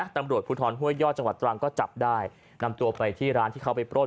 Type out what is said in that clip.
ตำรวจภูทรห้วยยอดจังหวัดตรังก็จับได้นำตัวไปที่ร้านที่เขาไปปล้น